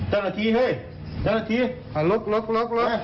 หาใส่มาสองคน